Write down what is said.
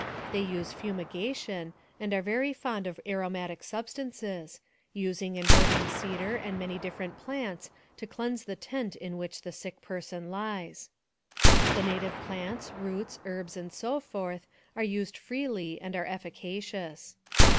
They use fumigation, and are very fond AMONG THE SIOUX INDIANS. 179 of aromatic substances, using and burning cedar and many different plants to cleanse the tent in which the sick person lies. The native plants, roots, herbs, and so forth, are used freely, and are efficacious.